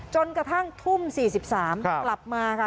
จนกระทั่งทุ่ม๔๓กลับมาค่ะ